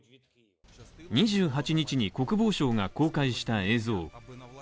２８日に国防省が公開した映像。